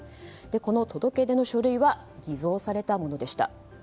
この届け出の書類は偽造されたものでした。